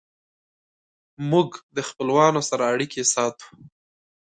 موږ د خپلوانو سره اړیکې ساتو.